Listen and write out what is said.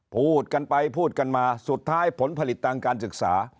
พูดกันไปพูดกันมาสุดท้ายผลผลิตทางการศึกษา